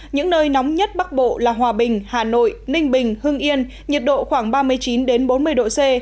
những nơi nóng nhất bắc bộ là hòa bình hà nội ninh bình hưng yên nhiệt độ khoảng ba mươi chín bốn mươi độ c